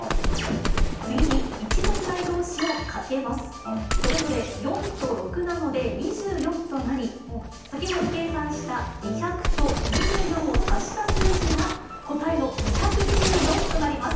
次に一の位どうしをかけます、それぞれ４と６なので２４となり、先ほど計算した２００と２４を足した数字が、答えの２２４となります。